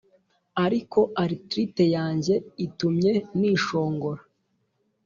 ariko arthrite yanjye itumye nishongora.